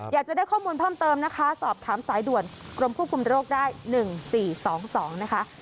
อยากจะได้ข้อมูลเพิ่มเติมนะคะสอบถามสายด่วนกรมควบคุมโรคได้๑๔๒๒นะคะ